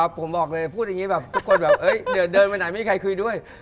ผมบอกเลยพูดอย่างนี้แบบทุกคนแบบเดินไปไหนไม่มีใครคุยด้วย